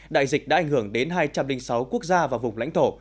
đại dịch đã ảnh hưởng đến hai trăm linh sáu quốc gia và vùng lãnh thổ